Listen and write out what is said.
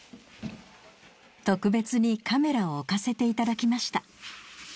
特別にカメラを置かせていただきました。